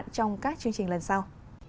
trong các chương trình lần sau